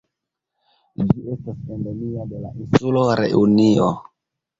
Ĝi estas endemia de la insulo Reunio.